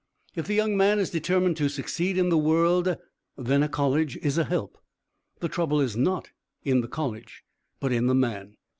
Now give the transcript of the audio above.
If the young man is determined to succeed in the world then a college is a help. The trouble is not in the college, but in the man.